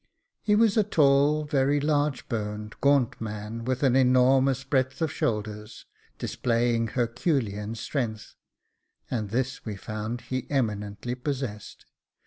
He was a tall, very large boned, gaunt man, with an enormous breadth of shoulders, displaying Herculean strength (and this we found he eminently possessed).